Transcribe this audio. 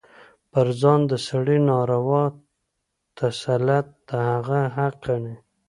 پر ځان د سړي ناروا تسلط د هغه حق ګڼي.